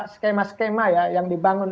skema skema ya yang dibangun